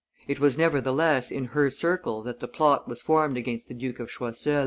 It was, nevertheless, in her circle that the plot was formed against the Duke of Choiseul.